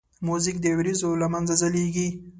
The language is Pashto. موزیک د وریځو له منځه ځلیږي.